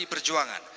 mars pdi perjuangan